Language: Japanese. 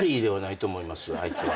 あいつは。